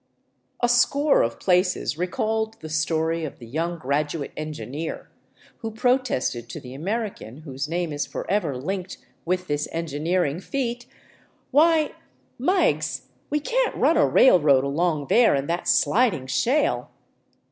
A score of places recalled the story of the young •aduate engineer who protested to the American whose name is Forever linked with this engineering feat, " Why, Meiggs, we can't •un a railroad along there in that sliding shale